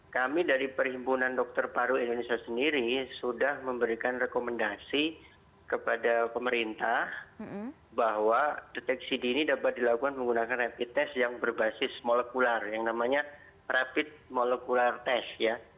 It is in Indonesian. kami dari perhimpunan dokter paru indonesia sendiri sudah memberikan rekomendasi kepada pemerintah bahwa deteksi dini dapat dilakukan menggunakan rapid test yang berbasis molekuler yang namanya rapid molekular test